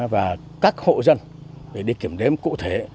và các hộ dân để đi kiểm đếm cụ thể